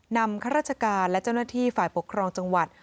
ข้าราชการและเจ้าหน้าที่ฝ่ายปกครองจังหวัด